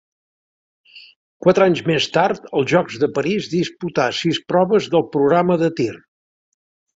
Quatre anys més tard, als Jocs de París, disputà sis proves del programa de tir.